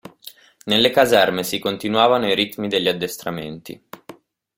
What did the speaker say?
Nelle caserme si continuavano i ritmi degli addestramenti.